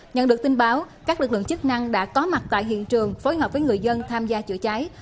nhận được tin báo các lực lượng chức năng đã có mặt tại hiện trường phối hợp với người dân tham gia chữa cháy